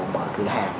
mở cửa hàng